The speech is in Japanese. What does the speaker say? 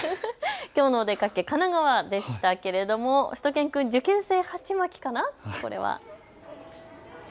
きょうのお出かけ、神奈川でしたけれどもしゅと犬くん、受験生鉢巻きかな。